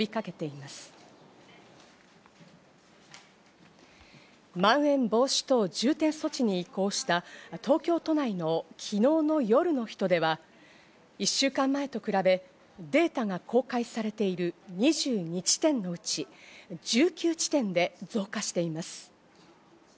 まん延防止等重点措置に移行した東京都内の昨日の夜の人出は１週間前と比べてデータが公開されている２２地点のうち、１９地点で増加しています。